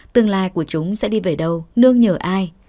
tương lai của chúng sẽ đi về đâu nương nhờ ai